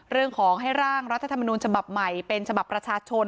เรื่องของให้ร่างรัฐธรรมนูญฉบับใหม่เป็นฉบับประชาชน